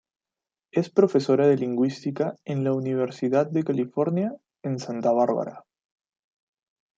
Es profesora de Lingüística en la Universidad de California en Santa Barbara.